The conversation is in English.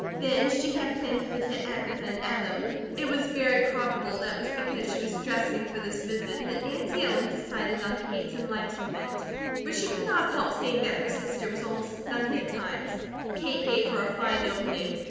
Then she had planned to visit Agatha and Adam. It was very probable that it was because she was dressing for this visit that Nancy Ellen decided on Kate's enlightenment, for she could not have helped seeing that her sister was almost stunned at times. Kate gave her a fine opening.